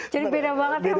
jadi beda banget ya